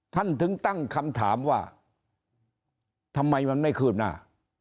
ถึงตั้งคำถามว่าทำไมมันไม่คืบหน้า